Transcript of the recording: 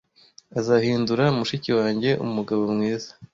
Azahindura mushiki wanjye umugabo mwiza.